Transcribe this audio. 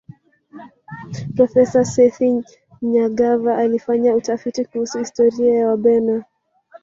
profesa sethi nyagava alifanya utafiti kuhusu historia ya wabena